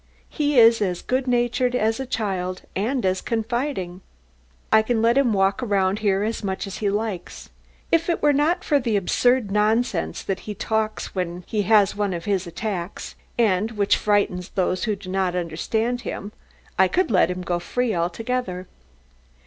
He is as good natured as a child and as confiding. I can let him walk around here as much as he likes. If it were not for the absurd nonsense that he talks when he has one of his attacks, and which frightens those who do not understand him, I could let him go free altogether."